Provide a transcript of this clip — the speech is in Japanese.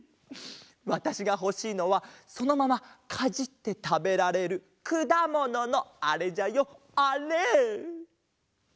わたしがほしいのはそのままかじってたべられるくだもののあれじゃよあれ！